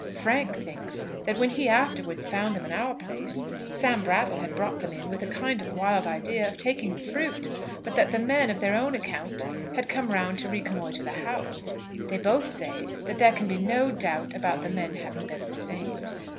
Frank thinks that when he afterwards found them in our place, Sam Brattle had brought them in with a kind of wild idea of taking the fruit, but that the men, of their own account, had come round to reconnoitre the house. They both say that there can be no doubt about the men having been the same.